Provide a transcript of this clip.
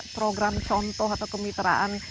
program contoh atau kemitraan